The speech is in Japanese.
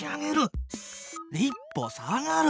一歩下がる！